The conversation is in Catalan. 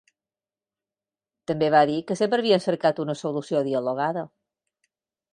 També va dir que sempre havien cercat una solució dialogada.